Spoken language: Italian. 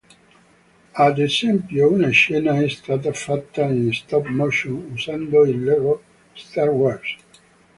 Ad esempio una scena è stata fatta in stop-motion usando il Lego Star Wars.